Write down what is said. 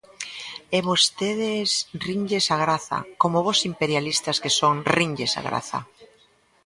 E vostedes rinlles a graza; como bos imperialistas que son, rinlles a graza.